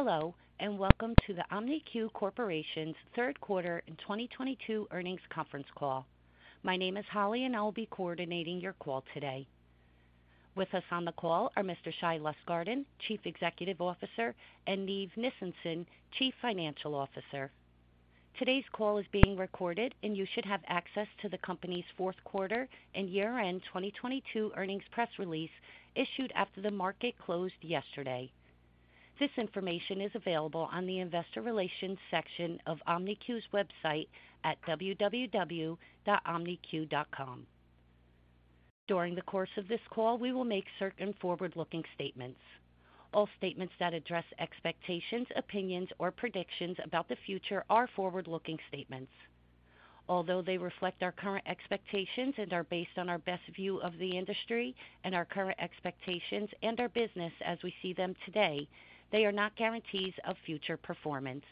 Hello, and welcome to the OMNIQ Corporation's third quarter and 2022 earnings conference call. My name is Halley, and I will be coordinating your call today. With us on the call are Mr. Shai Lustgarten, Chief Executive Officer, and Niv Nissenson, Chief Financial Officer. Today's call is being recorded, and you should have access to the company's fourth quarter and year-end 2022 earnings press release issued after the market closed yesterday. This information is available on the investor relations section of OMNIQ's website at www.omniq.com. During the course of this call, we will make certain forward-looking statements. All statements that address expectations, opinions, or predictions about the future are forward-looking statements. Although they reflect our current expectations and are based on our best view of the industry and our current expectations and our business as we see them today, they are not guarantees of future performance.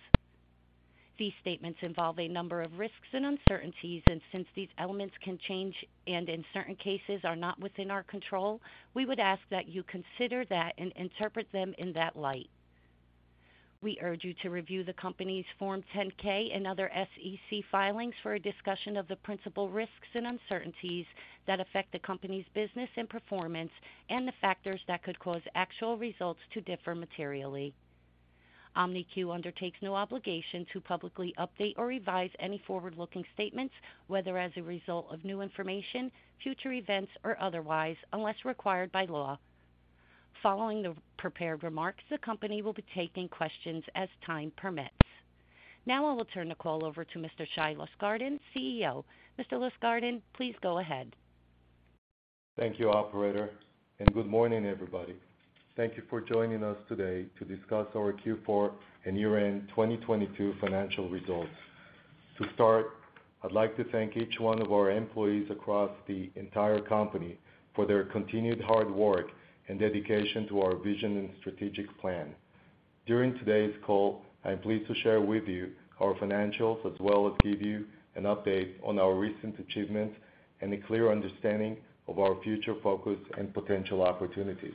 These statements involve a number of risks and uncertainties, and since these elements can change and, in certain cases, are not within our control, we would ask that you consider that and interpret them in that light. We urge you to review the company's Form 10-K and other SEC filings for a discussion of the principal risks and uncertainties that affect the company's business and performance and the factors that could cause actual results to differ materially. OMNIQ undertakes no obligation to publicly update or revise any forward-looking statements, whether as a result of new information, future events, or otherwise, unless required by law. Following the prepared remarks, the company will be taking questions as time permits. Now I will turn the call over to Mr. Shai Lustgarten, CEO. Mr. Lustgarten, please go ahead. Thank you, operator. Good morning, everybody. Thank you for joining us today to discuss our Q4 and year-end 2022 financial results. To start, I'd like to thank each one of our employees across the entire company for their continued hard work and dedication to our vision and strategic plan. During today's call, I'm pleased to share with you our financials as well as give you an update on our recent achievements and a clear understanding of our future focus and potential opportunities.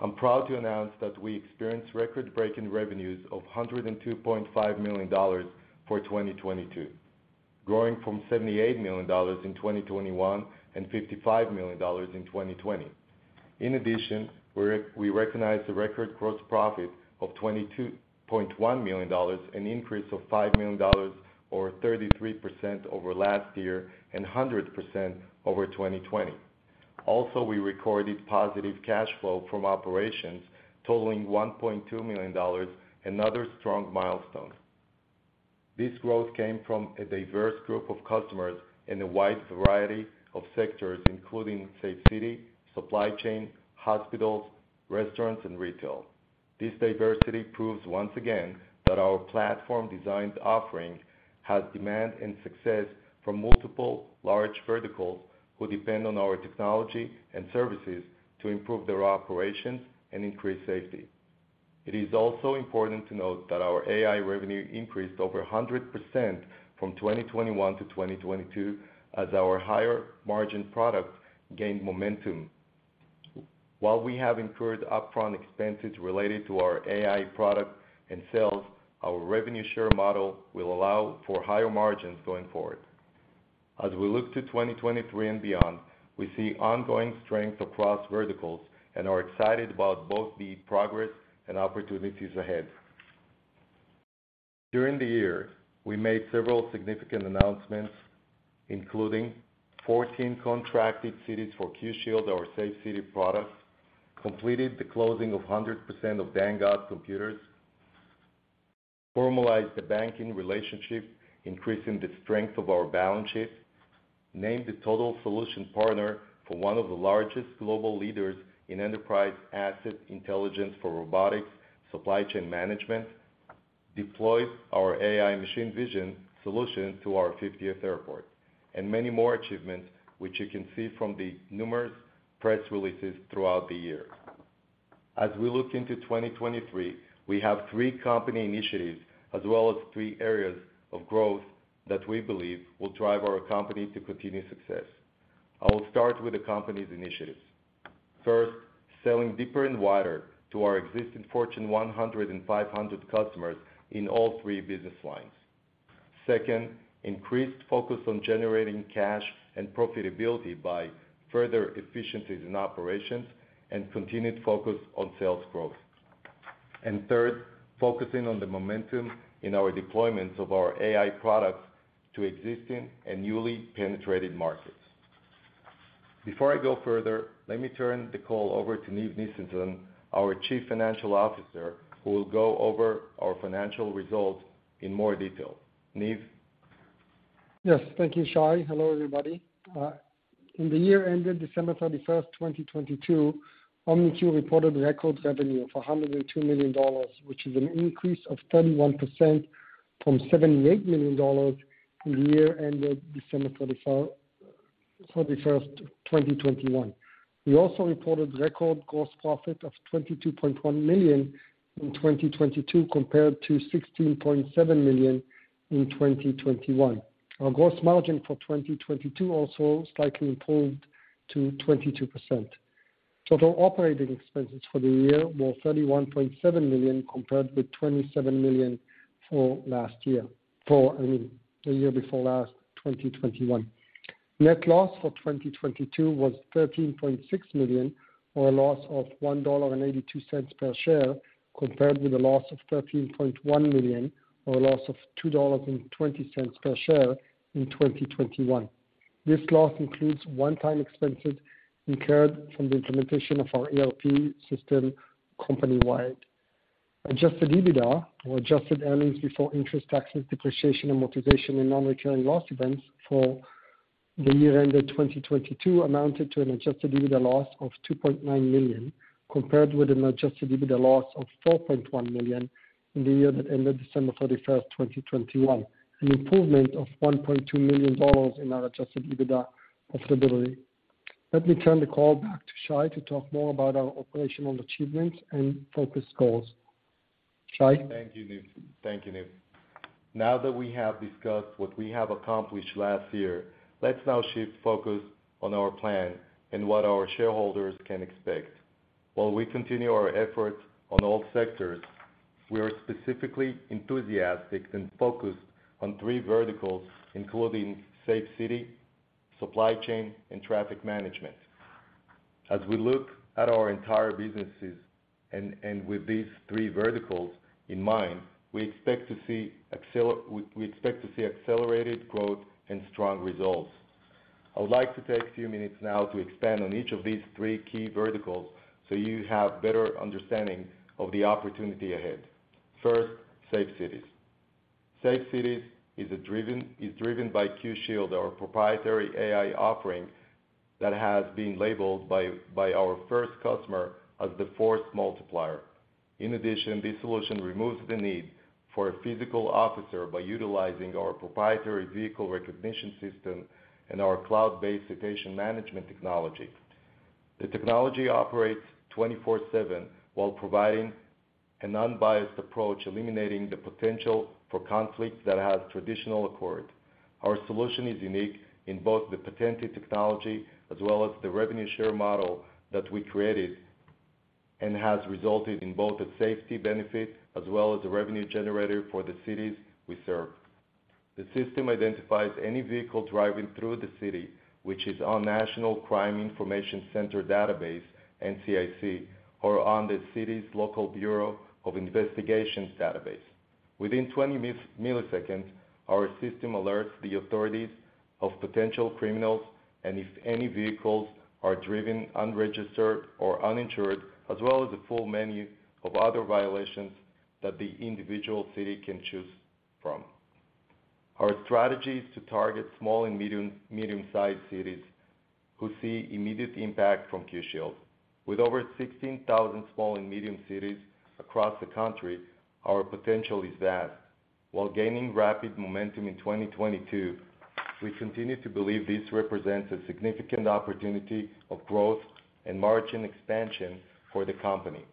I'm proud to announce that we experienced record-breaking revenues of $102.5 million for 2022, growing from $78 million in 2021 and $55 million in 2020. In addition, we recognized a record gross profit of $22.1 million, an increase of $5 million or 33% over last year and 100% over 2020. Also, we recorded positive cash flow from operations totaling $1.2 million, another strong milestone. This growth came from a diverse group of customers in a wide variety of sectors, including safe city, supply chain, hospitals, restaurants, and retail. This diversity proves once again that our platform-designed offering has demand and success from multiple large verticals who depend on our technology and services to improve their operations and increase safety. It is also important to note that our AI revenue increased over 100% from 2021 to 2022 as our higher margin product gained momentum. While we have incurred upfront expenses related to our AI product and sales, our revenue share model will allow for higher margins going forward. As we look to 2023 and beyond, we see ongoing strength across verticals and are excited about both the progress and opportunities ahead. During the year, we made several significant announcements, including 14 contracted cities for Q Shield, our Safe City products, completed the closing of 100% of Dangot Computers, formalized the banking relationship, increasing the strength of our balance sheet, named the total solution partner for one of the largest global leaders in enterprise asset intelligence for robotics, supply chain management, deployed our AI machine vision solution to our 50th airport, and many more achievements which you can see from the numerous press releases throughout the year. As we look into 2023, we have three company initiatives as well as three areas of growth that we believe will drive our company to continued success. I will start with the company's initiatives. First, selling deeper and wider to our existing Fortune 100 and 500 customers in all three business lines. Second, increased focus on generating cash and profitability by further efficiencies in operations and continued focus on sales growth. Third, focusing on the momentum in our deployments of our AI products to existing and newly penetrated markets. Before I go further, let me turn the call over to Niv Nissenson, our Chief Financial Officer, who will go over our financial results in more detail. Niv? Yes. Thank you, Shai. Hello, everybody. In the year ended December 31st, 2022, OMNIQ reported record revenue of $102 million, which is an increase of 31% from $78 million in the year ended December 31st, 2021. We also reported record gross profit of $22.1 million in 2022 compared to $16.7 million in 2021. Our gross margin for 2022 also slightly improved to 22%. Total operating expenses for the year were $31.7 million compared with $27 million for last year, for, I mean, the year before last, 2021. Net loss for 2022 was $13.6 million, or a loss of $1.82 per share, compared with a loss of $13.1 million, or a loss of $2.20 per share in 2021. This loss includes one-time expenses incurred from the implementation of our ERP system company-wide. Adjusted EBITDA, or adjusted earnings before interest, taxes, depreciation, amortization, and non-recurring loss events for the year ended 2022 amounted to an adjusted EBITDA loss of $2.9 million, compared with an adjusted EBITDA loss of $4.1 million in the year that ended December 31st, 2021, an improvement of $1.2 million in our adjusted EBITDA profitability. Let me turn the call back to Shai to talk more about our operational achievements and focus goals. Shai? Thank you, Niv. Now that we have discussed what we have accomplished last year, let's now shift focus on our plan and what our shareholders can expect. While we continue our efforts on all sectors, we are specifically enthusiastic and focused on three verticals, including safe city, supply chain, and traffic management. As we look at our entire businesses and with these three verticals in mind, we expect to see accelerated growth and strong results. I would like to take a few minutes now to expand on each of these three key verticals so you have better understanding of the opportunity ahead. First, safe cities. Safe City is driven by Q Shield, our proprietary AI offering that has been labeled by our first customer as the force multiplier. In addition, this solution removes the need for a physical officer by utilizing our proprietary vehicle recognition system and our cloud-based citation management technology. The technology operates 24/7 while providing an unbiased approach, eliminating the potential for conflicts that has traditional accord. Our solution is unique in both the patented technology as well as the revenue share model that we created and has resulted in both a safety benefit as well as a revenue generator for the cities we serve. The system identifies any vehicle driving through the city which is on National Crime Information Center database, NCIC, or on the city's local Bureau of Investigations database. Within 20 milliseconds, our system alerts the authorities of potential criminals and if any vehicles are driven unregistered or uninsured, as well as a full menu of other violations that the individual city can choose from. Our strategy is to target small and medium-sized cities who see immediate impact from Q Shield. With over 16,000 small and medium cities across the country, our potential is vast. While gaining rapid momentum in 2022, we continue to believe this represents a significant opportunity of growth and margin expansion for the company.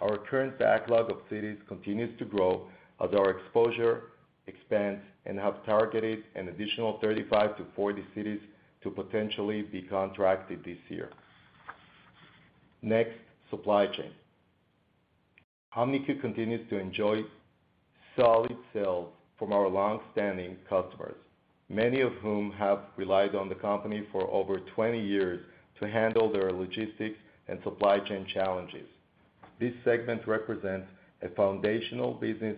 Our current backlog of cities continues to grow as our exposure expands and have targeted an additional 35-40 cities to potentially be contracted this year. Next supply chain. OMNIQ continues to enjoy solid sales from our long-standing customers, many of whom have relied on the company for over 20 years to handle their logistics and supply chain challenges. This segment represents a foundational business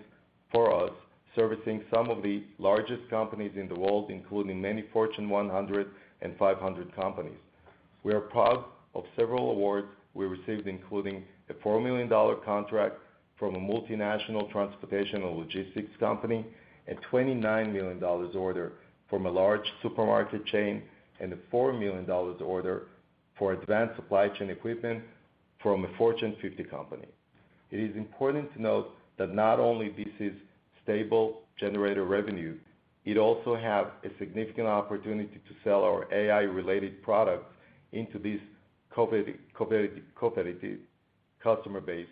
for us, servicing some of the largest companies in the world, including many Fortune 100 and 500 companies. We are proud of several awards we received, including a $4 million contract from a multinational transportation and logistics company, a $29 million order from a large supermarket chain, and a $4 million order for advanced supply chain equipment from a Fortune 50 company. It is important to note that not only this is stable generator revenue, it also have a significant opportunity to sell our AI-related products into this competitive customer base,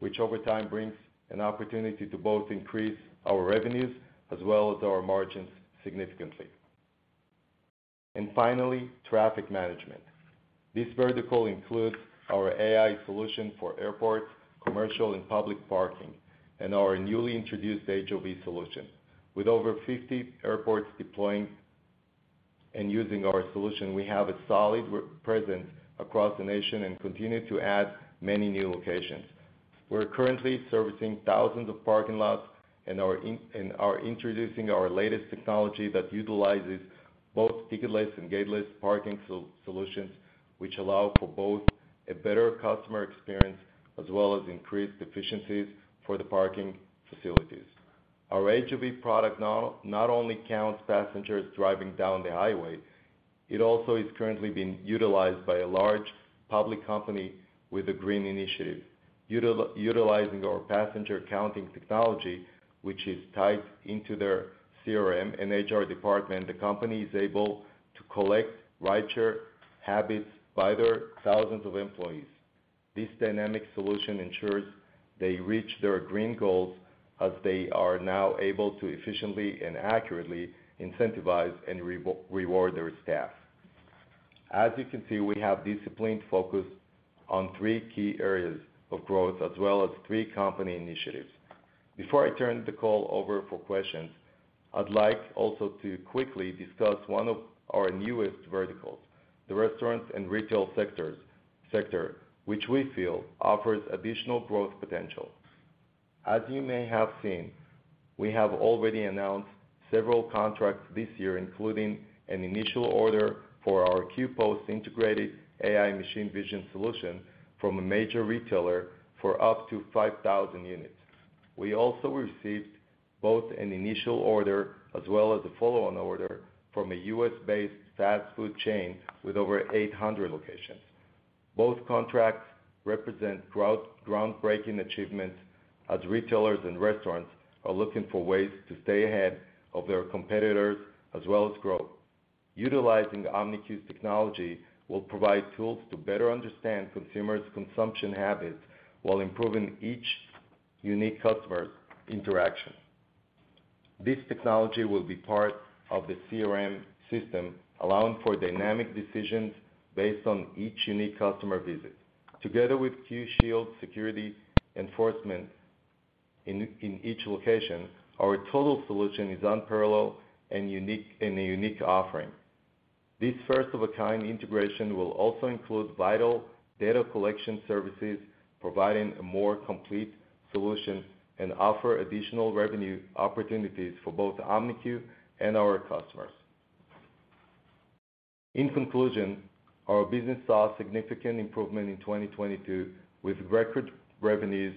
which over time brings an opportunity to both increase our revenues as well as our margins significantly. Finally, traffic management. This vertical includes our AI solution for airports, commercial and public parking, and our newly introduced HOV solution. With over 50 airports deploying and using our solution, we have a solid presence across the nation and continue to add many new locations. We're currently servicing thousands of parking lots and are introducing our latest technology that utilizes both ticketless and gateless parking solutions, which allow for both a better customer experience as well as increased efficiencies for the parking facilities. Our HOV product now not only counts passengers driving down the highway, it also is currently being utilized by a large public company with a green initiative. Utilizing our passenger counting technology, which is tied into their CRM and HR department, the company is able to collect rideshare habits by their thousands of employees. This dynamic solution ensures they reach their green goals as they are now able to efficiently and accurately incentivize and reward their staff. As you can see, we have disciplined focus on three key areas of growth as well as three company initiatives. Before I turn the call over for questions, I'd like also to quickly discuss one of our newest verticals, the restaurants and retail sector, which we feel offers additional growth potential. As you may have seen, we have already announced several contracts this year, including an initial order for our Q-Post integrated AI machine vision solution from a major retailer for up to 5,000 units. We also received both an initial order as well as a follow-on order from a U.S.-based fast food chain with over 800 locations. Both contracts represent groundbreaking achievements as retailers and restaurants are looking for ways to stay ahead of their competitors as well as grow. Utilizing OMNIQ's technology will provide tools to better understand consumers' consumption habits while improving each unique customer's interaction. This technology will be part of the CRM system, allowing for dynamic decisions based on each unique customer visit. Together with Q Shield security enforcement in each location, our total solution is unparalleled and a unique offering. This first of a kind integration will also include vital data collection services, providing a more complete solution and offer additional revenue opportunities for both OMNIQ and our customers. In conclusion, our business saw a significant improvement in 2022, with record revenues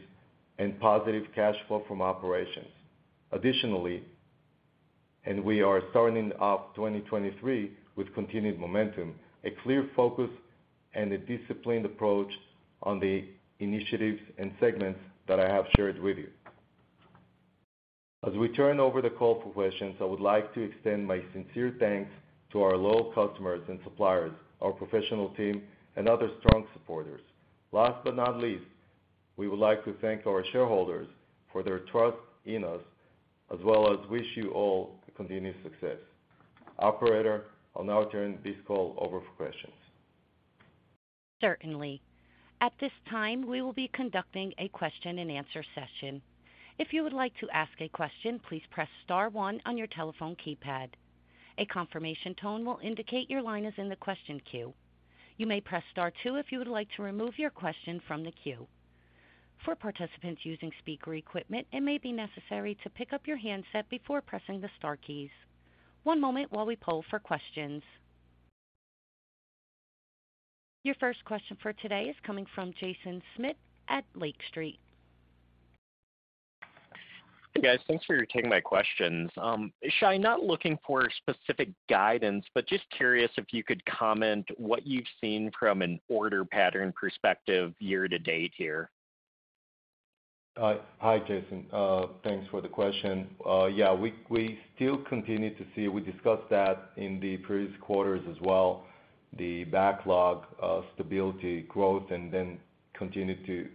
and positive cash flow from operations. Additionally, we are starting off 2023 with continued momentum, a clear focus, and a disciplined approach on the initiatives and segments that I have shared with you. As we turn over the call for questions, I would like to extend my sincere thanks to our loyal customers and suppliers, our professional team, and other strong supporters. Last but not least, we would like to thank our shareholders for their trust in us, as well as wish you all continued success. Operator, I'll now turn this call over for questions. Certainly. At this time, we will be conducting a question-and-answer session. If you would like to ask a question, please press star one on your telephone keypad. A confirmation tone will indicate your line is in the question queue. You may press star two if you would like to remove your question from the queue. For participants using speaker equipment, it may be necessary to pick up your handset before pressing the star keys. One moment while we poll for questions. Your first question for today is coming from Jason Smith at Lake Street. Hey, guys. Thanks for taking my questions. Shai, not looking for specific guidance, but just curious if you could comment what you've seen from an order pattern perspective year-to-date here? Hi, Jason. Thanks for the question. Yeah, we still continue to see, we discussed that in the previous quarters as well, the backlog, stability growth and then continue to,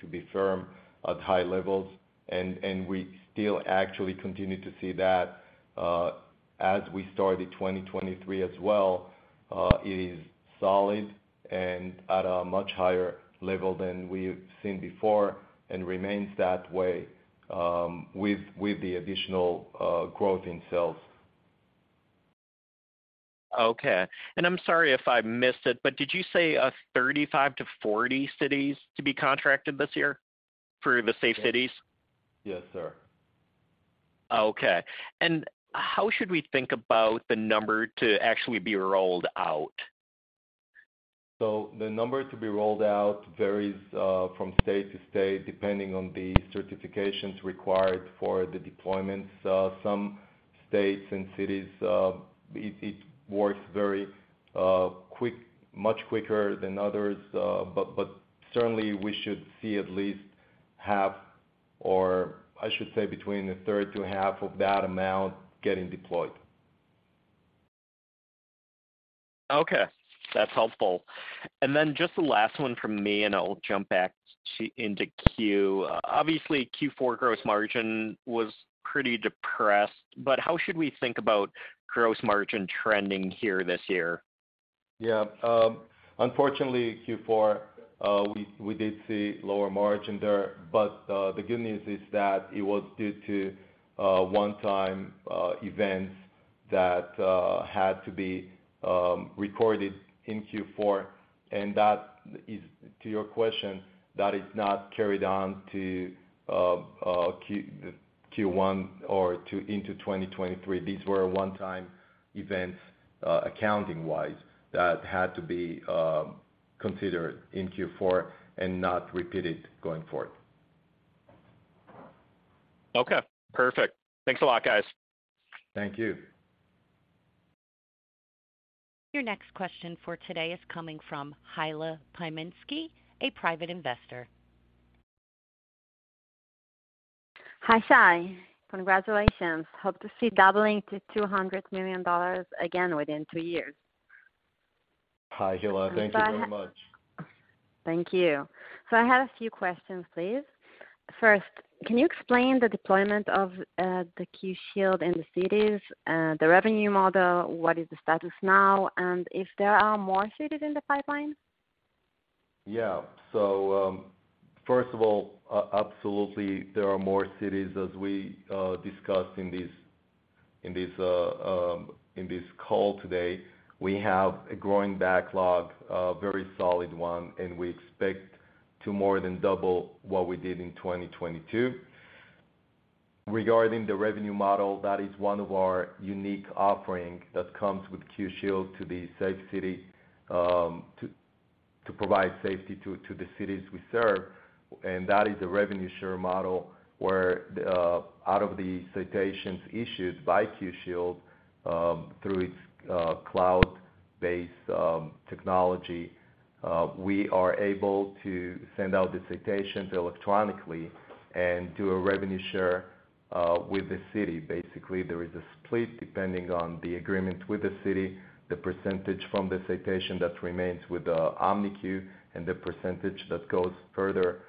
to be firm at high levels. We still actually continue to see that, as we started 2023 as well. It is solid and at a much higher level than we've seen before and remains that way, with the additional, growth in sales. Okay. I'm sorry if I missed it, but did you say, 35-40 cities to be contracted this year for the safe cities? Yes, sir. Okay. How should we think about the number to actually be rolled out? The number to be rolled out varies from state to state, depending on the certifications required for the deployments. Some states and cities, it works very quick, much quicker than others. Certainly we should see at least half, or I should say between a third to half of that amount getting deployed. Okay, that's helpful. Then just the last one from me, and I'll jump back into queue. Obviously, Q4 gross margin was pretty depressed, how should we think about gross margin trending here this year? Unfortunately, Q4, we did see lower margin there, the good news is that it was due to one-time events that had to be recorded in Q4. That is to your question, that is not carried on to Q1 or to into 2023. These were one-time events, accounting-wise, that had to be considered in Q4 and not repeated going forward. Okay, perfect. Thanks a lot, guys. Thank you. Your next question for today is coming from Hila Pyminsky, a private investor. Hi, Shai. Congratulations. Hope to see doubling to $200 million again within two years. Hi, Hila. Thank you very much. Thank you. I have a few questions, please. First, can you explain the deployment of the Q Shield in the cities, the revenue model, what is the status now, and if there are more cities in the pipeline? Yeah. First of all, absolutely, there are more cities, as we discussed in this call today. We have a growing backlog, a very solid one, and we expect to more than double what we did in 2022. Regarding the revenue model, that is one of our unique offering that comes with Q Shield to the safe city, to provide safety to the cities we serve. That is a revenue share model where, out of the citations issued by Q Shield, through its cloud-based technology, we are able to send out the citations electronically and do a revenue share with the city. Basically, there is a split, depending on the agreement with the city, the percentage from the citation that remains with OMNIQ and the percentage that goes further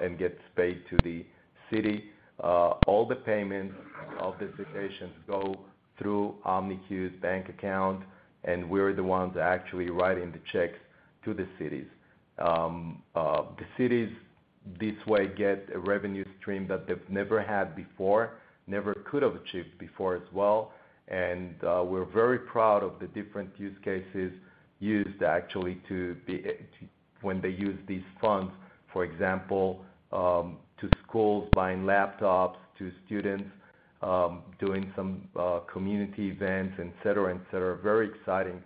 and gets paid to the city. All the payments of the citations go through OMNIQ's bank account, and we're the ones actually writing the checks to the cities. The cities, this way, get a revenue stream that they've never had before, never could have achieved before as well. We're very proud of the different use cases used actually when they use these funds, for example, to schools buying laptops, to students, doing some community events, et cetera. Very exciting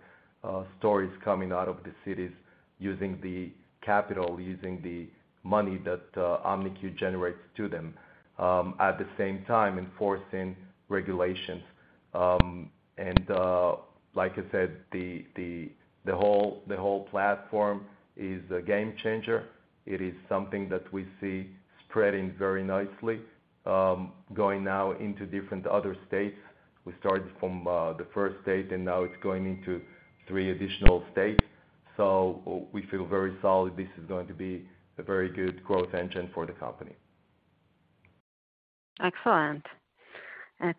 stories coming out of the cities using the capital, using the money that OMNIQ generates to them, at the same time enforcing regulations. Like I said, the whole platform is a game changer. It is something that we see spreading very nicely, going now into different other states. We started from the first state and now it's going into three additional states. We feel very solid this is going to be a very good growth engine for the company. Excellent.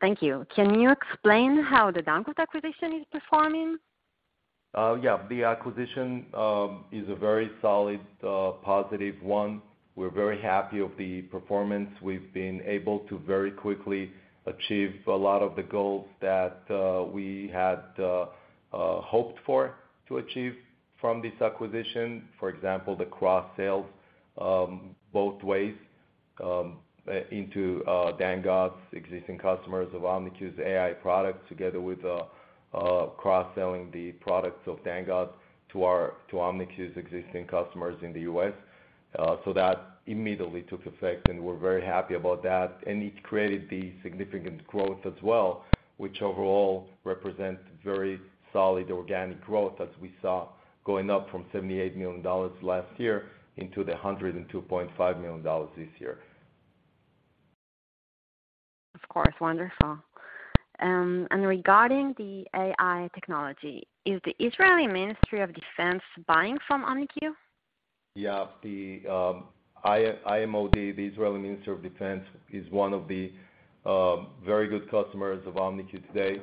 Thank you. Can you explain how the Dangot acquisition is performing? Yeah. The acquisition is a very solid positive one. We're very happy of the performance. We've been able to very quickly achieve a lot of the goals that we had hoped for to achieve from this acquisition. For example, the cross-sales both ways into Dangot's existing customers of OMNIQ's AI product, together with cross-selling the products of Dangot to OMNIQ's existing customers in the U.S. That immediately took effect, and we're very happy about that. It created the significant growth as well, which overall represent very solid organic growth as we saw going up from $78 million last year into $102.5 million this year. Of course. Wonderful. Regarding the AI technology, is the Israeli Ministry of Defense buying from OMNIQ? The IMOD, the Israeli Ministry of Defense, is one of the very good customers of OMNIQ today,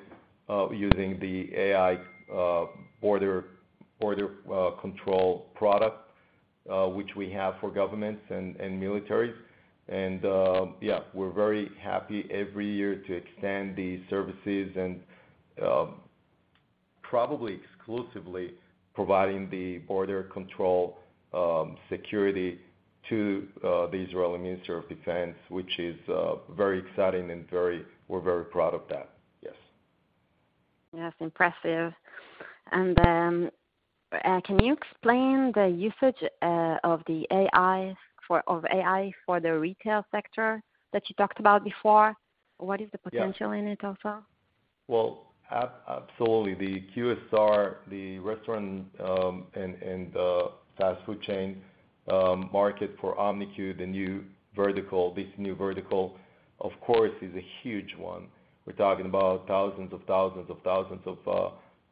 using the AI border control product, which we have for governments and militaries. We're very happy every year to extend these services and probably exclusively providing the border control security to the Israeli Ministry of Defense, which is very exciting and we're very proud of that. Yes. That's impressive. Can you explain the usage of AI for the retail sector that you talked about before? Yeah. What is the potential in it also? Well, absolutely. The QSR, the restaurant, and fast food chain market for OMNIQ, the new vertical, this new vertical, of course, is a huge one. We're talking about thousands of thousands of thousands of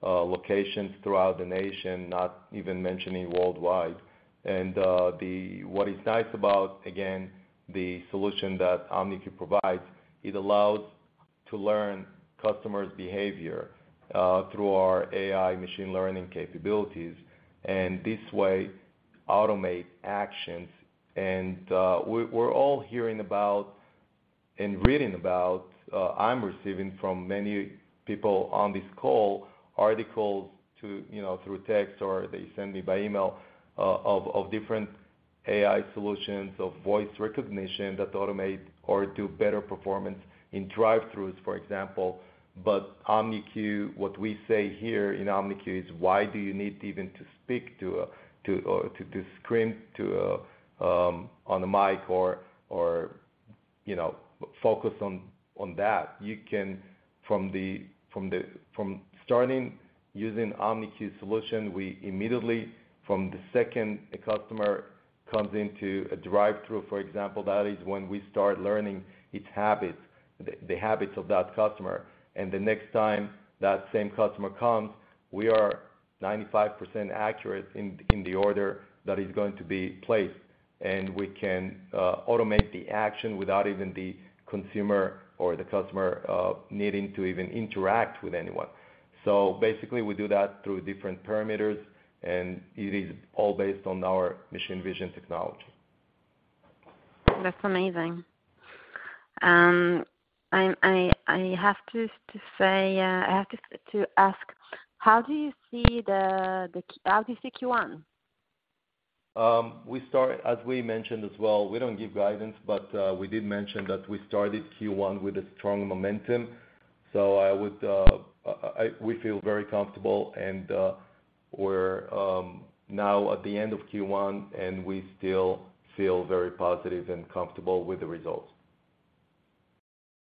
locations throughout the nation, not even mentioning worldwide. What is nice about, again, the solution that OMNIQ provides, it allows to learn customers' behavior through our AI machine learning capabilities, and this way automate actions. We're all hearing about and reading about, I'm receiving from many people on this call articles to, you know, through text or they send me by email of different AI solutions of voice recognition that automate or do better performance in drive-throughs, for example. OMNIQ, what we say here in OMNIQ is why do you need even to speak to scream on a mic or, you know, focus on that. Using OMNIQ solution, we immediately from the second a customer comes into a drive-through, for example, that is when we start learning its habits of that customer. The next time that same customer comes, we are 95% accurate in the order that is going to be placed. We can automate the action without even the consumer or the customer needing to even interact with anyone. Basically, we do that through different parameters, and it is all based on our machine vision technology. That's amazing. I have to say, I have to ask, how do you see Q1? As we mentioned as well, we don't give guidance, but we did mention that we started Q1 with a strong momentum. We feel very comfortable and we're now at the end of Q1, and we still feel very positive and comfortable with the results.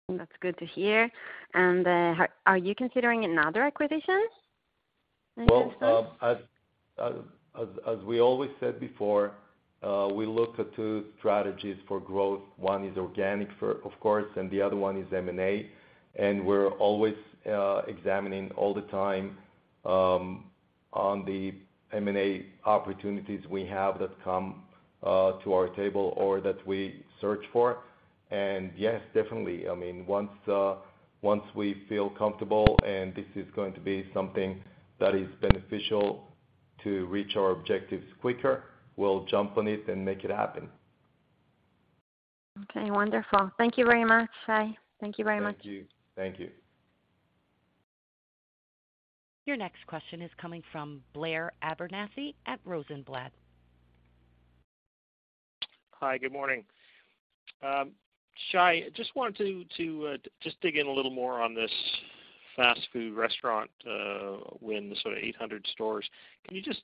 That's good to hear. Are you considering another acquisition in the next months? Well, as we always said before, we look at two strategies for growth. One is organic of course, and the other one is M&A. We're always examining all the time, on the M&A opportunities we have that come to our table or that we search for. Yes, definitely, I mean, once we feel comfortable, and this is going to be something that is beneficial to reach our objectives quicker, we'll jump on it and make it happen. Okay, wonderful. Thank you very much, Shai. Thank you very much. Thank you. Thank you. Your next question is coming from Blair Abernethy at Rosenblatt. Hi, good morning. Shai, just wanted to just dig in a little more on this fast food restaurant win, the sort of 800 stores. Can you just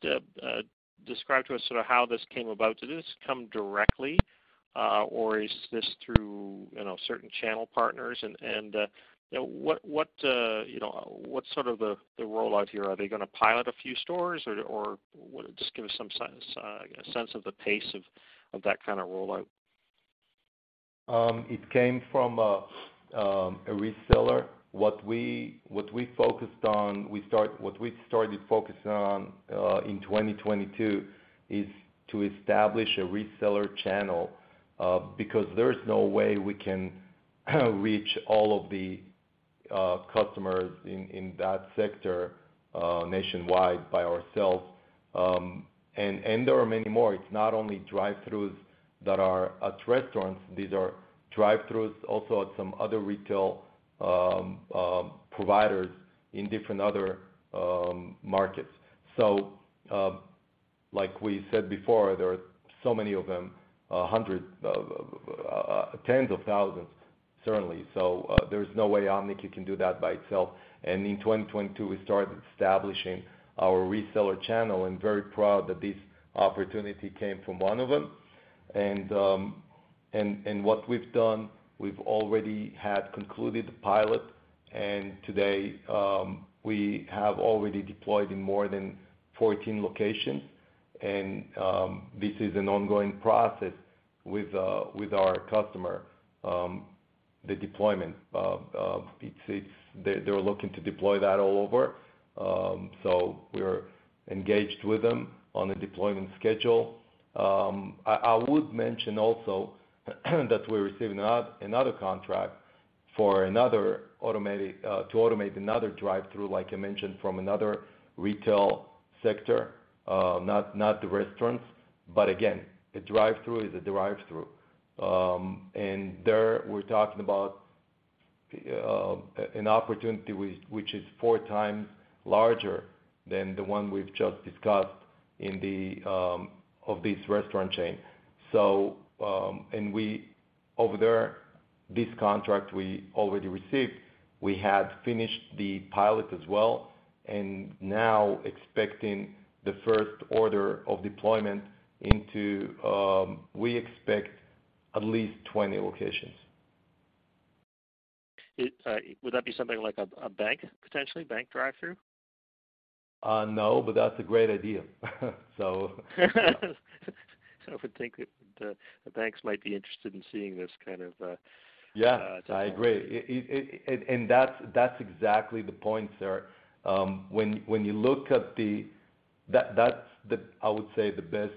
describe to us sort of how this came about? Did this come directly or is this through, you know, certain channel partners? You know, what's sort of the rollout here? Are they gonna pilot a few stores? Just give us some a sense of the pace of that kind of rollout. It came from a reseller. What we focused on, what we started focusing on, in 2022 is to establish a reseller channel because there's no way we can reach all of the customers in that sector nationwide by ourselves. And there are many more. It's not only drive-throughs that are at restaurants, these are drive-throughs also at some other retail providers in different other markets. Like we said before, there are so many of them, hundreds of tens of thousands, certainly. There's no way OMNIQ can do that by itself. And in 2022, we started establishing our reseller channel and very proud that this opportunity came from one of them. What we've done, we've already had concluded the pilot, and today, we have already deployed in more than 14 locations. This is an ongoing process with our customer, the deployment. They're looking to deploy that all over. We're engaged with them on a deployment schedule. I would mention also that we're receiving another contract for another automatic to automate another drive-through, like I mentioned, from another retail sector. Not the restaurants, but again, a drive-through is a drive-through. There, we're talking about an opportunity which is four times larger than the one we've just discussed in the of this restaurant chain. We over there, this contract we already received, we had finished the pilot as well, and now expecting the first order of deployment into, we expect at least 20 locations. It, would that be something like a bank, potentially bank drive-through? No, that's a great idea. I would think that the banks might be interested in seeing this kind of. Yeah, I agree. It. That's exactly the point there. When you look at the- that's the, I would say, the best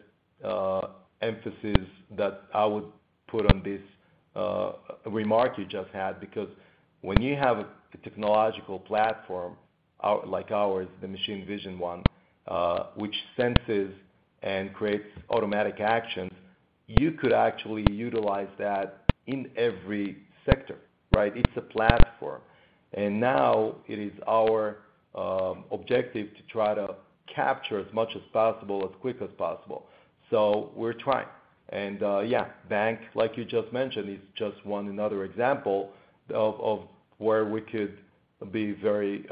emphasis that I would put on this remark you just had, because when you have a technological platform like ours, the machine vision one, which senses and creates automatic actions, you could actually utilize that in every sector, right? It's a platform. Now it is our objective to try to capture as much as possible, as quick as possible. We're trying. Yeah, bank, like you just mentioned, is just one another example of where we could be very,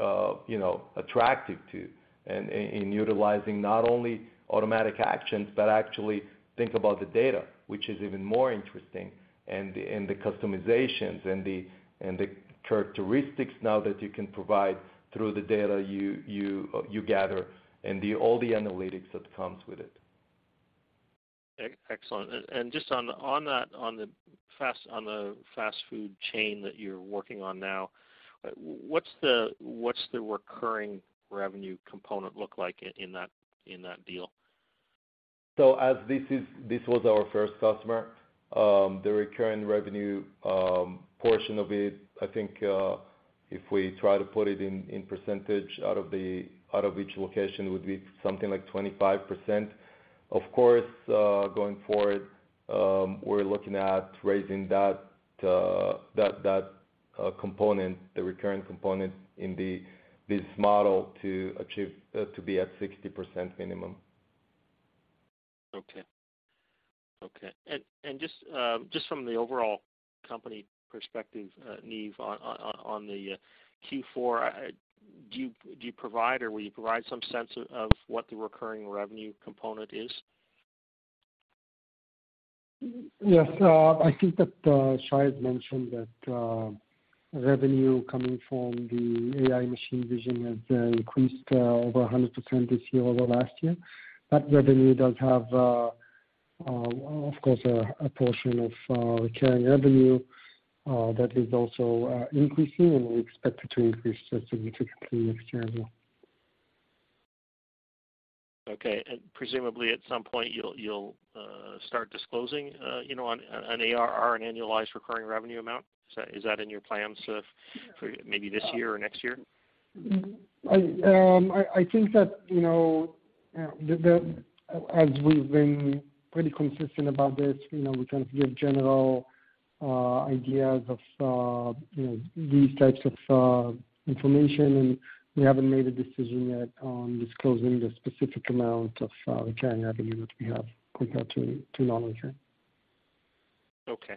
you know, attractive to in utilizing not only automatic actions, but actually think about the data, which is even more interesting, and the customizations and the characteristics now that you can provide through the data you gather and all the analytics that comes with it. Excellent. Just on that, on the fast food chain that you're working on now, what's the recurring revenue component look like in that deal? As this was our first customer, the recurring revenue portion of it, I think, if we try to put it in percentage out of each location would be something like 25%. Of course, going forward, we're looking at raising that component, the recurring component in this model to achieve to be at 60% minimum. Okay. Okay. Just from the overall company perspective, Niv, on the Q4, do you provide or will you provide some sense of what the recurring revenue component is? Yes. I think that Shai had mentioned that revenue coming from the AI machine vision has increased over 100% this year over last year. That revenue does have, of course, a portion of recurring revenue that is also increasing, and we expect it to increase significantly next year as well. Okay. Presumably, at some point, you'll start disclosing, you know, an ARR, an annualized recurring revenue amount. Is that in your plans for maybe this year or next year? I think that, you know, as we've been pretty consistent about this, you know, we kind of give general ideas of, you know, these types of information, and we haven't made a decision yet on disclosing the specific amount of recurring revenue that we have compared to non-recurring. Okay.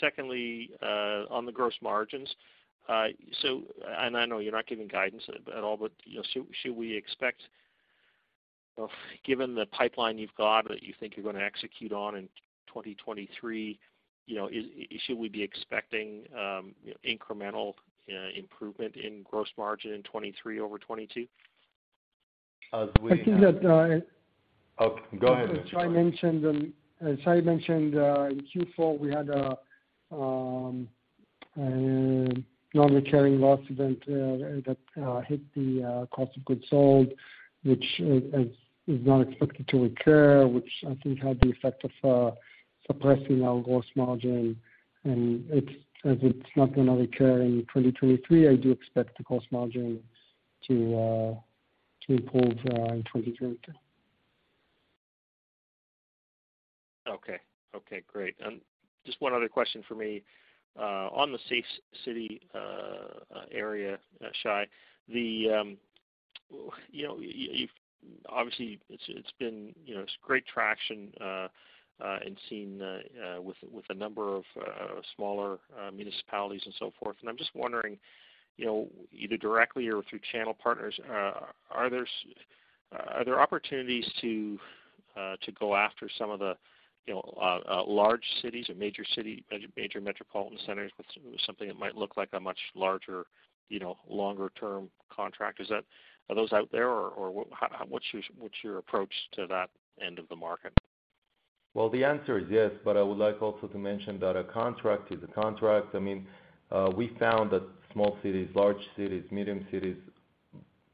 Secondly, on the gross margins. I know you're not giving guidance at all, but, you know, should we expect, given the pipeline you've got that you think you're gonna execute on in 2023, you know, should we be expecting incremental improvement in gross margin in 2023 over 2022? Uh, we- I think that. Oh, go ahead- As Shai mentioned, in Q4, we had a non-recurring loss event that hit the cost of goods sold, which is not expected to recur, which I think had the effect of suppressing our gross margin. It's, as it's not gonna recur in 2023, I do expect the gross margin to improve in 2023. Okay. Okay, great. Just one other question from me, on the Safe City area, Shai. The, you know, you've obviously, it's been, you know, great traction in seeing with a number of smaller municipalities and so forth. I'm just wondering, you know, either directly or through channel partners, are there opportunities to go after some of the large cities or major metropolitan centers with something that might look like a much larger, you know, longer term contract? Are those out there, or what's your approach to that end of the market? The answer is yes, I would like also to mention that a contract is a contract. I mean, we found that small cities, large cities, medium cities,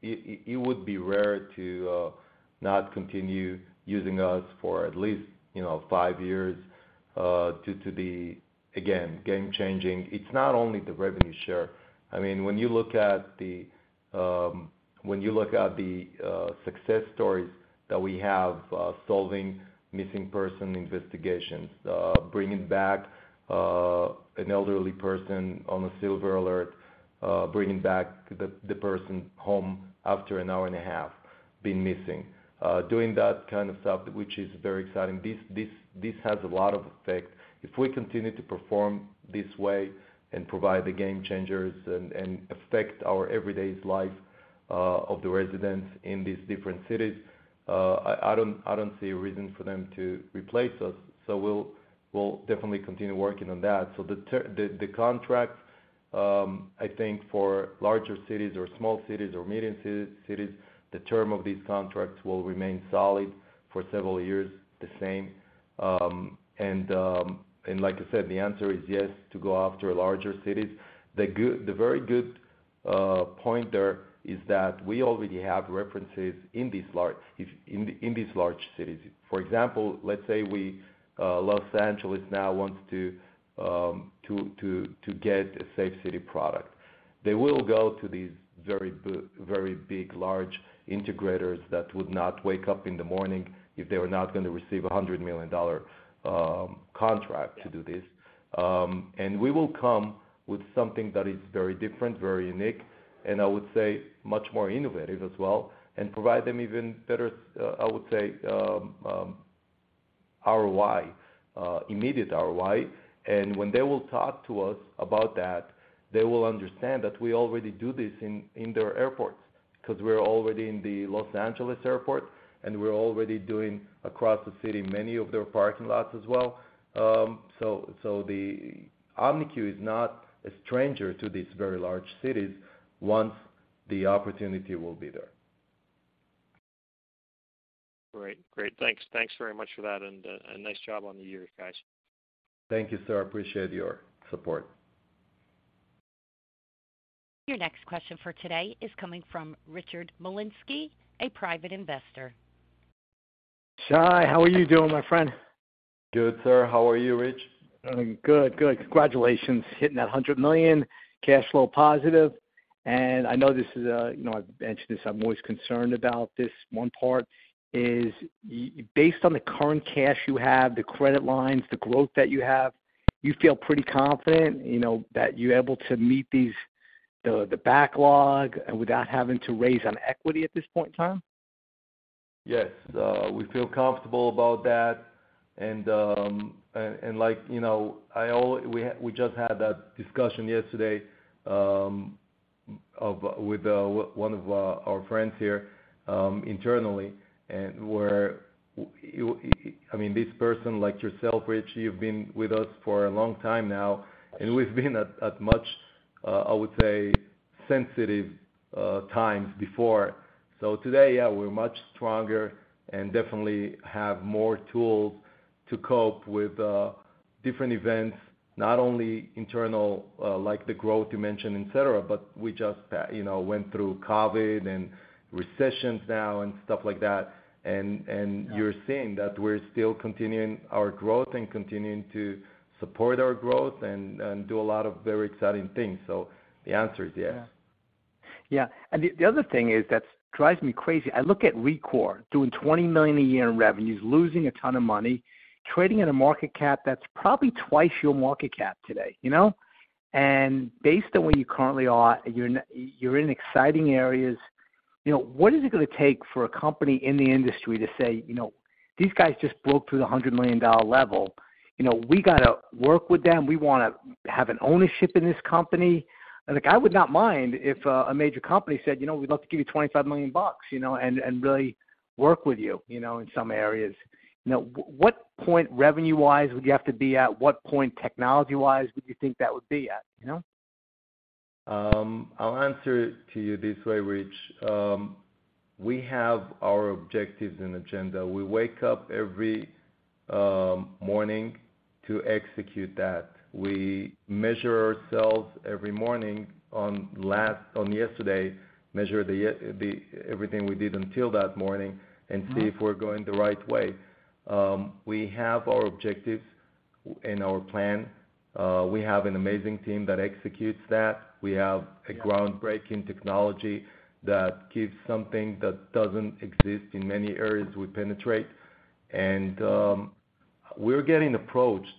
it would be rare to not continue using us for at least, you know, five years, due to the, again, game changing. It's not only the revenue share. I mean, when you look at the, when you look at the success stories that we have, solving missing person investigations, bringing back an elderly person on a silver alert, bringing back the person home after an hour and a half been missing, doing that kind of stuff, which is very exciting. This has a lot of effect. If we continue to perform this way and provide the game changers and affect our everyday life of the residents in these different cities, I don't, I don't see a reason for them to replace us. We'll definitely continue working on that. The contract, I think for larger cities or small cities or medium cities, the term of these contracts will remain solid for several years the same. Like I said, the answer is yes to go after larger cities. The very good point there is that we already have references in these large cities. For example, let's say we, Los Angeles now wants to get a Safe City product. They will go to these very big, large integrators that would not wake up in the morning if they were not gonna receive a $100 million contract to do this. We will come with something that is very different, very unique, and I would say much more innovative as well, and provide them even better, I would say, ROI, immediate ROI. When they will talk to us about that, they will understand that we already do this in their airports, because we're already in the Los Angeles airport, and we're already doing across the city many of their parking lots as well. So the OMNIQ is not a stranger to these very large cities. The opportunity will be there. Great. Great. Thanks. Thanks very much for that and nice job on the year, guys. Thank you, sir. Appreciate your support. Your next question for today is coming from Richard Malinsky, a private investor. Shai, how are you doing, my friend? Good, sir. How are you, Rich? I'm good. Good. Congratulations hitting that $100 million cash flow positive. I know this is, you know, I've mentioned this, I'm always concerned about this one part is based on the current cash you have, the credit lines, the growth that you have, you feel pretty confident, you know, that you're able to meet these the backlog without having to raise on equity at this point in time? Yes. We feel comfortable about that. Like, you know, we just had that discussion yesterday, of, with one of our friends here internally, I mean, this person, like yourself, Rich, you've been with us for a long time now, and we've been at much, I would say, sensitive times before. Today, yeah, we're much stronger and definitely have more tools to cope with different events, not only internal, like the growth you mentioned, et cetera, but we just, you know, went through COVID and recessions now and stuff like that. You're seeing that we're still continuing our growth and continuing to support our growth and do a lot of very exciting things. The answer is yes. Yeah. Yeah. The, the other thing is that drives me crazy, I look at Rekor doing $20 million a year in revenues, losing a ton of money, trading at a market cap that's probably twice your market cap today, you know. Based on where you currently are, you're in exciting areas. You know, what is it gonna take for a company in the industry to say, you know, "These guys just broke through the $100 million level. You know, we gotta work with them. We wanna have an ownership in this company." Like, I would not mind if, a major company said, "You know, we'd love to give you $25 million, you know, and really work with you know, in some areas." You know, what point revenue-wise would you have to be at? What point technology-wise would you think that would be at, you know? I'll answer to you this way, Rich. We have our objectives and agenda. We wake up every morning to execute that. We measure ourselves every morning on yesterday, measure everything we did until that morning and see if we're going the right way. We have our objectives and our plan. We have an amazing team that executes that. We have a groundbreaking technology that gives something that doesn't exist in many areas we penetrate. We're getting approached,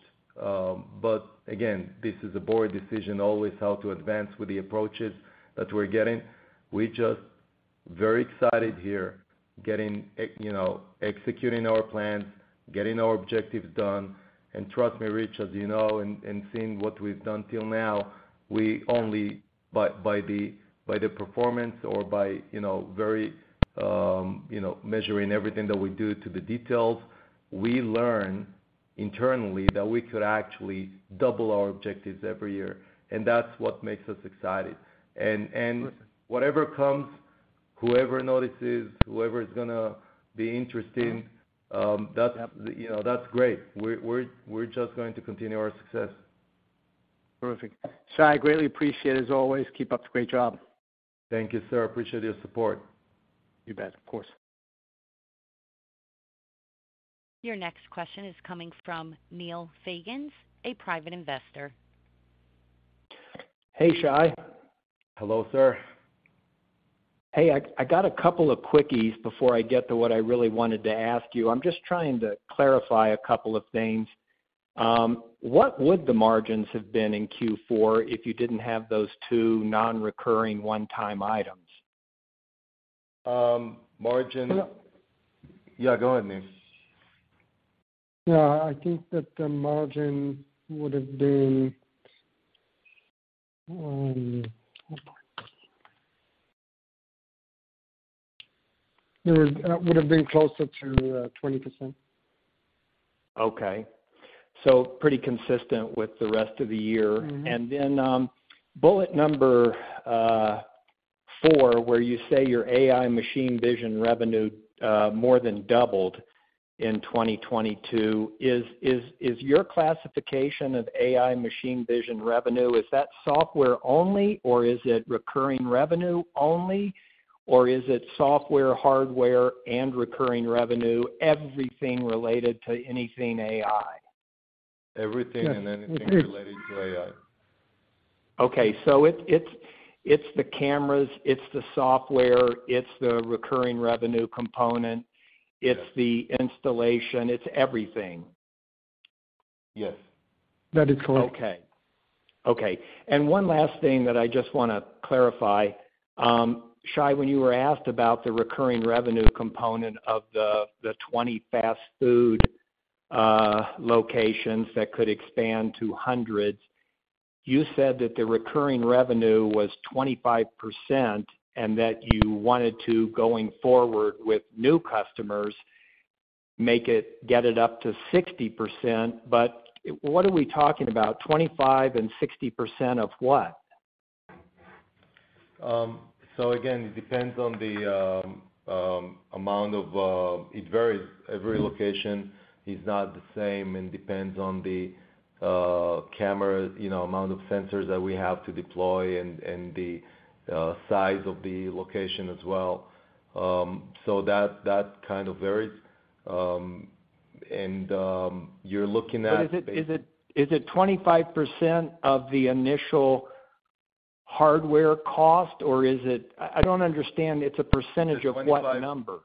again, this is a board decision always how to advance with the approaches that we're getting. We're just very excited here getting, you know, executing our plans, getting our objectives done. Trust me, Rich, as you know, and seeing what we've done till now, we only by the performance or by, you know, very, you know, measuring everything that we do to the details, we learn internally that we could actually double our objectives every year. That's what makes us excited. Whatever comes, whoever notices, whoever is gonna be interested, that's, you know, that's great. We're just going to continue our success. Perfect. Shai, I greatly appreciate as always. Keep up the great job. Thank you, sir. Appreciate your support. You bet. Of course. Your next question is coming from Neil Fagins, a private investor. Hey, Shai. Hello, sir. Hey, I got a couple of quickies before I get to what I really wanted to ask you. I'm just trying to clarify a couple of things. What would the margins have been in Q4 if you didn't have those two non-recurring one-time items? Um, margin- Well- Yeah, go ahead, Niv. Yeah. I think that the margin would have been. It would have been closer to 20%. Okay. Pretty consistent with the rest of the year. Bullet number 4, where you say your AI machine vision revenue, more than doubled in 2022, is your classification of AI machine vision revenue, is that software only, or is it recurring revenue only, or is it software, hardware, and recurring revenue, everything related to anything AI? Everything and anything related to AI. Okay. It's the cameras, it's the software, it's the recurring revenue component- Yes. It's the installation, it's everything. Yes. That is correct. Okay. Okay. One last thing that I just wanna clarify. Shai, when you were asked about the recurring revenue component of the 20 fast food locations that could expand to hundreds, you said that the recurring revenue was 25%, and that you wanted to going forward with new customers get it up to 60%. What are we talking about? 25% and 60% of what? Again, it depends on the amount of, it varies. Every location is not the same and depends on the camera, you know, amount of sensors that we have to deploy and the size of the location as well. That, that kind of varies. You're looking at. Is it 25% of the initial hardware cost or is it... I don't understand. It's a percentage of what number?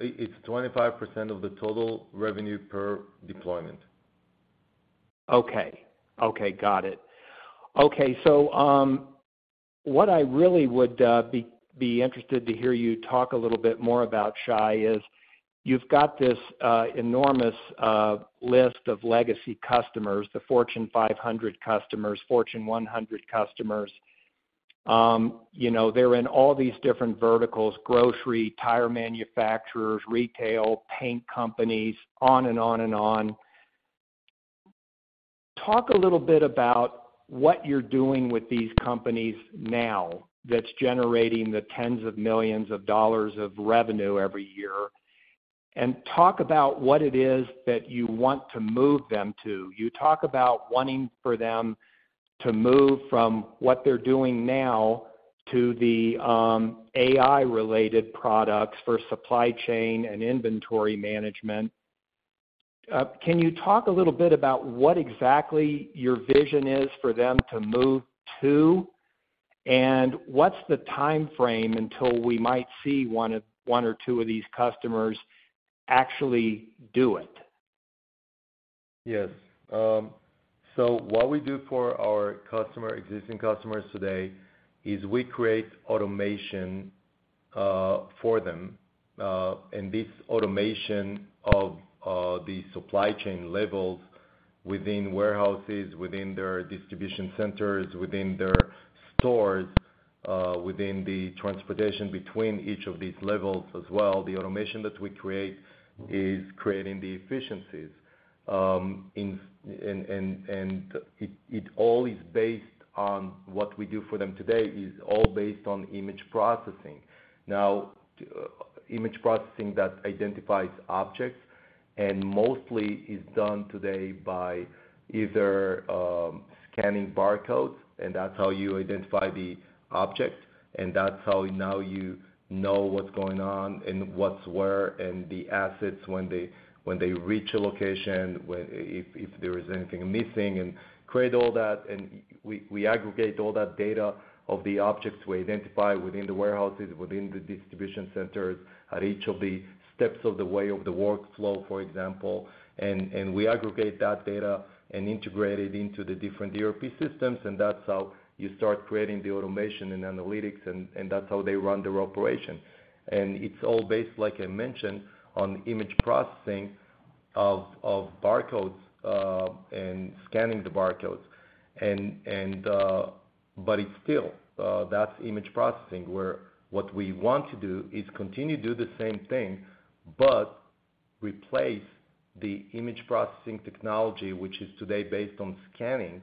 It's 25% of the total revenue per deployment. Okay. Okay, got it. Okay. What I really would be interested to hear you talk a little bit more about, Shai, is you've got this enormous list of legacy customers, the Fortune 500 customers, Fortune 100 customers. You know, they're in all these different verticals, grocery, tire manufacturers, retail, paint companies, on and on and on. Talk a little bit about what you're doing with these companies now that's generating the tens of millions of dollars of revenue every year. Talk about what it is that you want to move them to. You talk about wanting for them to move from what they're doing now to the AI-related products for supply chain and inventory management. Can you talk a little bit about what exactly your vision is for them to move to? What's the timeframe until we might see one or two of these customers actually do it? Yes. What we do for our customer, existing customers today is we create automation for them. This automation of the supply chain levels within warehouses, within their distribution centers, within their stores, within the transportation between each of these levels as well, the automation that we create is creating the efficiencies. In, and it all is based on what we do for them today is all based on image processing. Image processing that identifies objects, and mostly is done today by either scanning barcodes, and that's how you identify the object, and that's how now you know what's going on and what's where and the assets when they, when they reach a location, if there is anything missing and create all that. We aggregate all that data of the objects we identify within the warehouses, within the distribution centers, at each of the steps of the way of the workflow, for example, and we aggregate that data and integrate it into the different ERP systems, and that's how you start creating the automation and analytics, and that's how they run their operation. It's all based, like I mentioned, on image processing of barcodes and scanning the barcodes. It's still, that's image processing, where what we want to do is continue to do the same thing but replace the image processing technology, which is today based on scanning,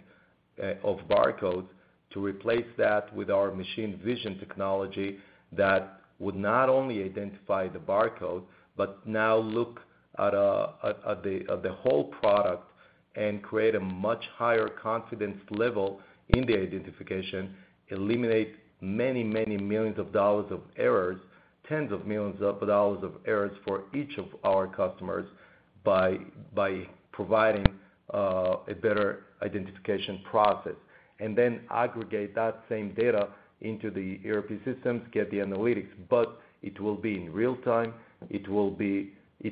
of barcodes, to replace that with our machine vision technology that would not only identify the barcode but now look at the whole product and create a much higher confidence level in the identification, eliminate many millions of dollars of errors, tens of millions of dollars of errors for each of our customers by providing a better identification process. Then aggregate that same data into the ERP systems, get the analytics. It will be in real time. It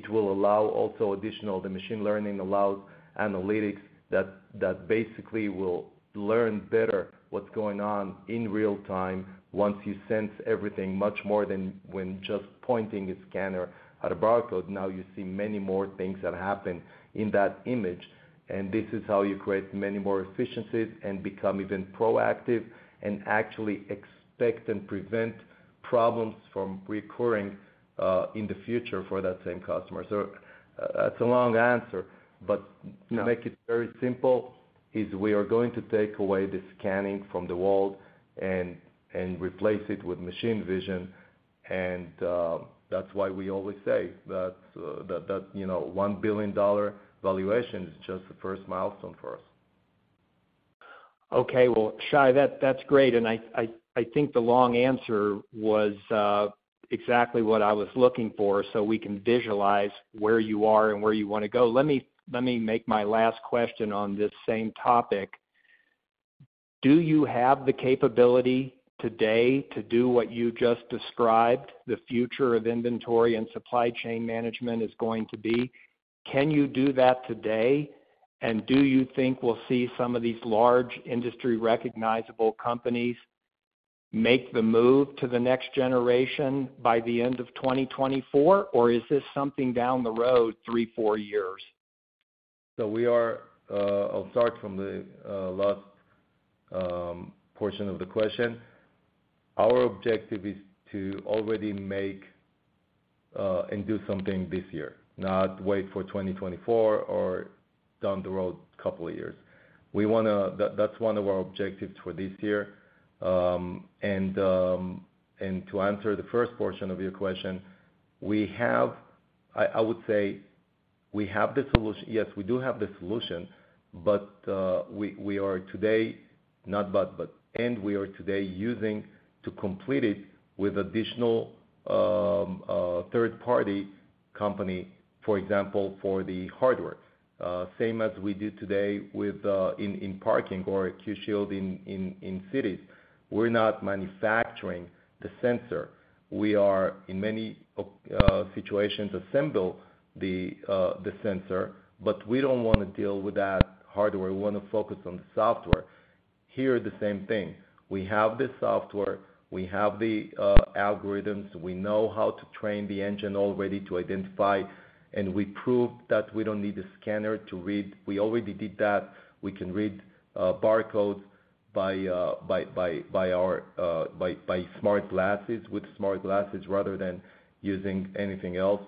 will allow also additional, the machine learning allows analytics that basically will learn better what's going on in real time once you sense everything much more than when just pointing a scanner at a barcode. Now you see many more things that happen in that image. This is how you create many more efficiencies and become even proactive and actually expect and prevent problems from reoccurring in the future for that same customer. That's a long answer. To make it very simple is we are going to take away the scanning from the world and replace it with machine vision. That's why we always say that, you know, $1 billion valuation is just the first milestone for us. Okay. Well, Shai, that's great. I think the long answer was exactly what I was looking for, so we can visualize where you are and where you wanna go. Let me make my last question on this same topic. Do you have the capability today to do what you just described the future of inventory and supply chain management is going to be? Can you do that today? Do you think we'll see some of these large industry recognizable companies make the move to the next generation by the end of 2024? Is this something down the road three, four years? I'll start from the last portion of the question. Our objective is to already make and do something this year, not wait for 2024 or down the road couple of years. That's one of our objectives for this year. To answer the first portion of your question, I would say we have the solution, yes, we do have the solution, but we are today using to complete it with additional third-party company, for example, for the hardware. Same as we do today with in parking or Q Shield in cities. We're not manufacturing the sensor. We are in many situations assemble the sensor, but we don't wanna deal with that hardware. We wanna focus on the software. Here are the same thing. We have the software, we have the algorithms, we know how to train the engine already to identify, and we proved that we don't need a scanner to read. We already did that. We can read barcodes by our smart glasses, with smart glasses rather than using anything else.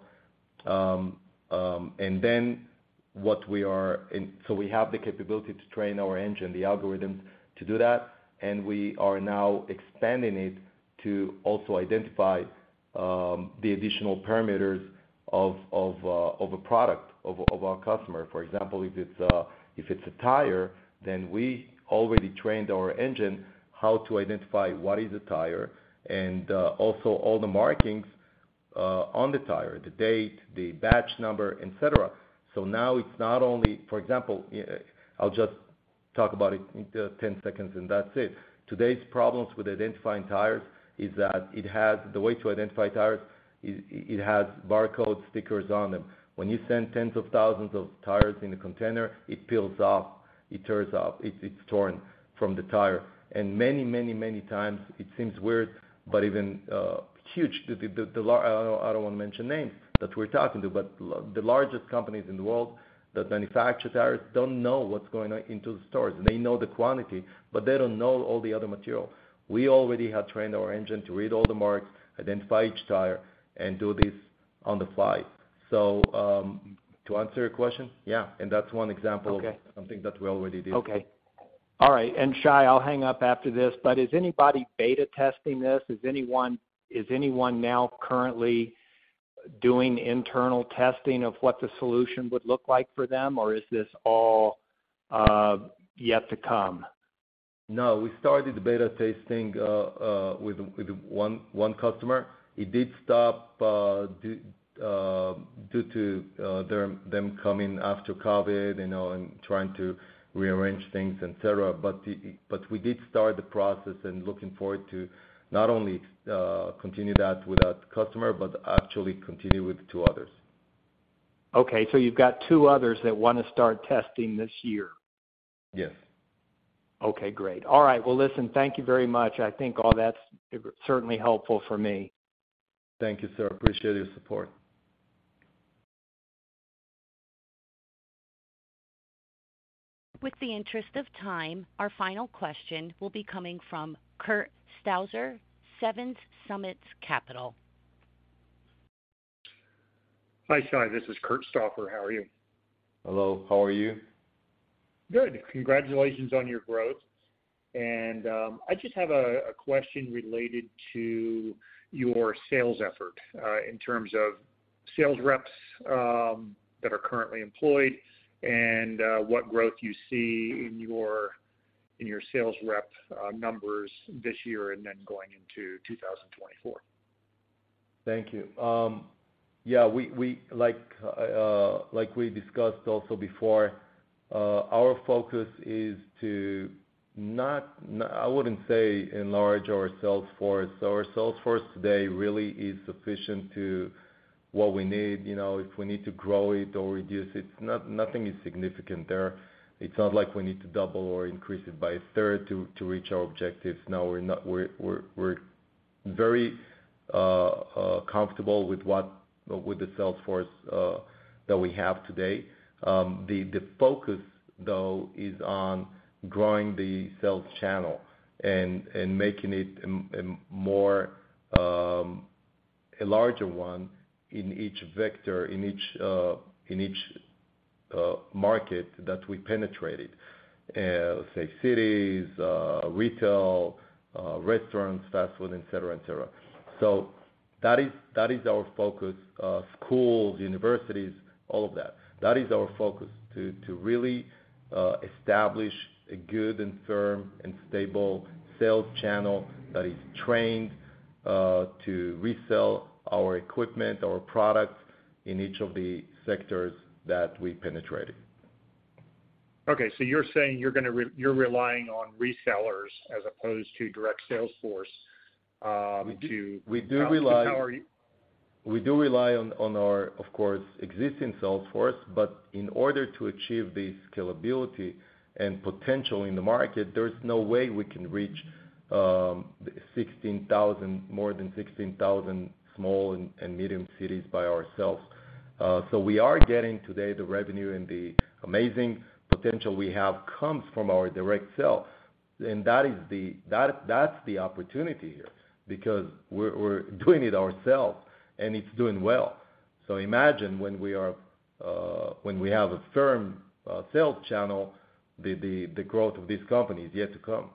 We have the capability to train our engine, the algorithms to do that, and we are now expanding it to also identify the additional parameters of a product of our customer. For example, if it's, if it's a tire, then we already trained our engine how to identify what is a tire and also all the markings on the tire, the date, the batch number, et cetera. Now it's not only... For example, I'll just talk about it in 10 seconds and that's it. Today's problems with identifying tires is that the way to identify tires is it has barcode stickers on them. When you send tens of thousands of tires in a container, it peels off, it tears off, it's torn from the tire. Many times it seems weird, but even huge, the large-- I don't wanna mention names that we're talking to, but the largest companies in the world that manufacture tires don't know what's going into the stores. They know the quantity, but they don't know all the other material. We already have trained our engine to read all the marks, identify each tire, and do this on the fly. To answer your question, yeah, and that's one example. Okay. of something that we already did. Okay. All right. Shai, I'll hang up after this, but is anybody beta testing this? Is anyone now currently doing internal testing of what the solution would look like for them, or is this all yet to come? No. We started the beta testing, with 1 customer. It did stop, due to them coming after COVID, you know, and trying to rearrange things and et cetera. We did start the process and looking forward to not only continue that with that customer, but actually continue with two others. Okay. you've got two others that wanna start testing this year? Yes. Okay, great. All right. Well, listen, thank you very much. I think all that's certainly helpful for me. Thank you, sir. Appreciate your support. With the interest of time, our final question will be coming from Curt Stauffer, Seven Summits Capital. Hi, Shai. This is Curt Stauffer. How are you? Hello. How are you? Good. Congratulations on your growth. I just have a question related to your sales effort in terms of sales reps that are currently employed and what growth you see in your sales rep numbers this year and then going into 2024. Thank you. Yeah, we like we discussed also before, our focus is to not I wouldn't say enlarge our sales force. Our sales force today really is sufficient to what we need. You know, if we need to grow it or reduce it, nothing is significant there. It's not like we need to double or increase it by a third to reach our objectives. No, we're not. We're very comfortable with the sales force that we have today. The focus though is on growing the sales channel and making it a more, a larger one in each vector, in each, in each market that we penetrated. Let's say cities, retail, restaurants, fast food, et cetera, et cetera. That is our focus. Schools, universities, all of that. That is our focus to really establish a good and firm and stable sales channel that is trained to resell our equipment, our products in each of the sectors that we penetrated. Okay. you're saying you're gonna you're relying on resellers as opposed to direct sales force, to... We do. How are you- We do rely on our, of course, existing sales force. In order to achieve the scalability and potential in the market, there's no way we can reach, 16,000, more than 16,000 small and medium cities by ourselves. We are getting today the revenue and the amazing potential we have comes from our direct sales. And that's the opportunity here because we're doing it ourselves and it's doing well. Imagine when we have a firm, sales channel, the growth of this company is yet to come.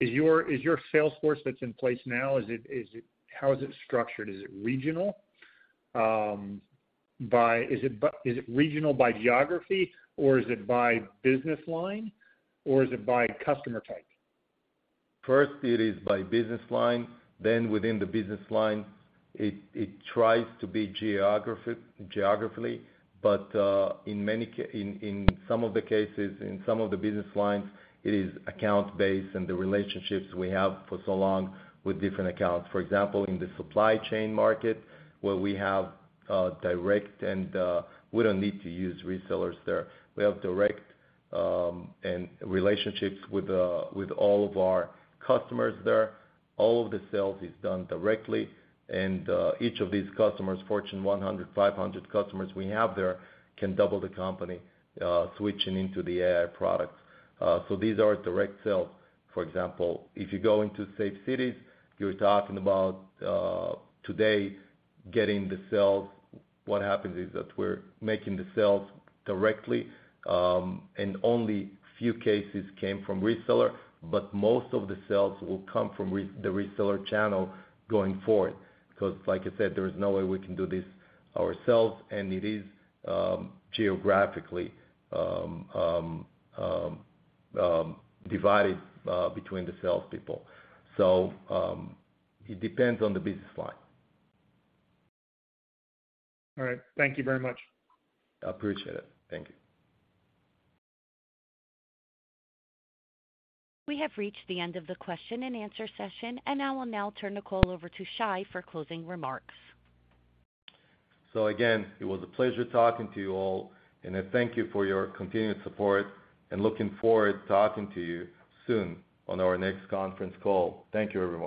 Is your sales force that's in place now, how is it structured? Is it regional? Is it regional by geography or is it by business line or is it by customer type? First, it is by business line. Within the business line, it tries to be geographically, but in some of the cases, in some of the business lines, it is account-based and the relationships we have for so long with different accounts. For example, in the supply chain market, where we have direct and we don't need to use resellers there. We have direct and relationships with all of our customers there. All of the sales is done directly, and each of these customers, Fortune 100, 500 customers we have there, can double the company, switching into the AI products. These are direct sales. For example, if you go into safe cities, you're talking about today getting the sales. What happens is that we're making the sales directly, and only few cases came from reseller, but most of the sales will come from the reseller channel going forward. Like I said, there is no way we can do this ourselves, and it is, geographically, divided, between the salespeople. It depends on the business line. All right. Thank you very much. I appreciate it. Thank you. We have reached the end of the question and answer session and I will now turn the call over to Shai for closing remarks. Again, it was a pleasure talking to you all, and I thank you for your continued support and looking forward to talking to you soon on our next conference call. Thank you, everyone.